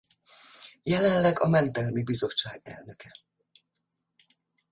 Jelenleg a Mentelmi Bizottság elnöke.